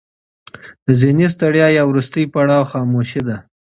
د ذهني ستړیا وروستی پړاو خاموشي دی.